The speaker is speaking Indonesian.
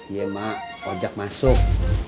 iya mak ojak masuk